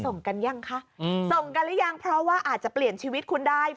ส่งกันยังคะส่งกันหรือยังเพราะว่าอาจจะเปลี่ยนชีวิตคุณได้